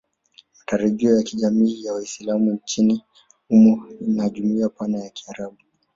Matarajio ya kijamii ya Waislamu nchini humo na jumuiya pana ya Kiarabu